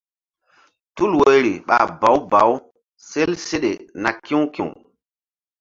Tul woyri ɓa bawu bawu sel seɗe na ki̧w ki̧w.